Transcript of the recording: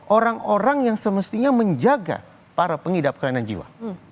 orang orang yang semestinya menjaga para pengidap kelainan jiwa